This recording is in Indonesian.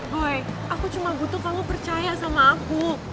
hoy aku cuma butuh kamu percaya sama aku